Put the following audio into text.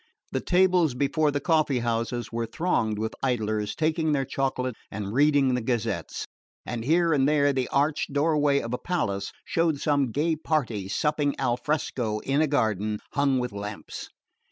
The tables before the coffee houses were thronged with idlers taking their chocolate and reading the gazettes; and here and there the arched doorway of a palace showed some gay party supping al fresco in a garden hung with lamps.